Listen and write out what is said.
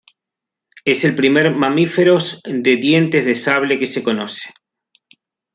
Es el primer mamíferos de dientes de sable que se conoce.